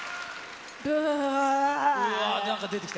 うわー、なんか出てきた。